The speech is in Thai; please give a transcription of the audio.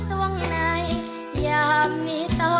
ร้องได้แค่นี้